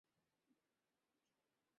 মানুষ চাই, টাকা চাই না।